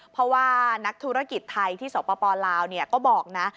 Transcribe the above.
เพราะว่านักธุรกิจไทยที่สปลาวก็บอกนะ